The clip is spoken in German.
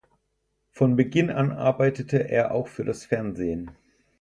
Von Beginn an arbeitete er auch für das Fernsehen.